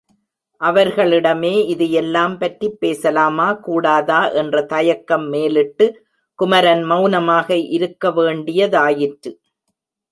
அவர்களிடமே இதையெல்லாம் பற்றிப் பேசலாமா கூடாதா என்ற தயக்கம் மேலிட்டு குமரன் மெளனமாக இருக்க வேண்டியதாயிற்று.